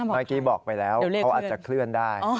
เมื่อกี้บอกไปแล้วเขาอาจจะเคลื่อนได้